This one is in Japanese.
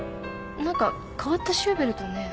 何か変わったシューベルトね。